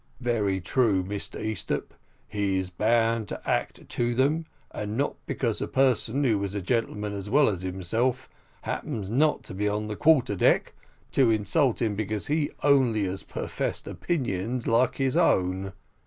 "Very true, Mr Easthupp; he is bound to act up to them; and not because a person, who was a gentleman as well as himself, happens not to be on the quarter deck, to insult him because he only has perfessed opinions like his own."